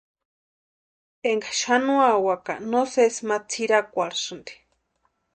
Énka xanuawaka no sési ma tsʼirakwarhisïnti.